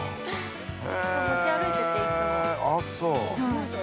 ◆持ち歩いてて、いつも。